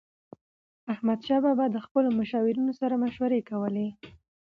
احمدشاه بابا به د خپلو مشاورینو سره مشورې کولي.